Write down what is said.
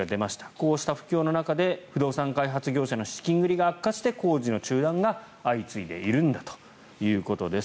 こうした不況の中で不動産開発業者の資金繰りが悪化して工事の中断が相次いでいるんだということです。